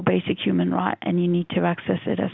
hak manusia dasar kita dan kita harus